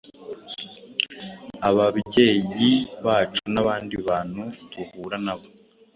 ababyeyi bacu n’abandi bantu duhura na bo.